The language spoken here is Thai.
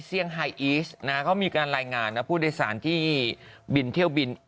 เซียงไฮอีสนะเขามีการรายงานนะผู้โดยสารที่บินเที่ยวบิน